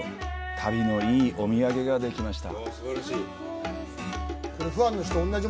旅のいいお土産ができました。